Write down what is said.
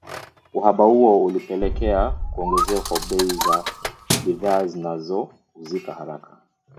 uhaba huo ulipelekea kuongezeka kwa bei za bidhaa zinazo uzika haraka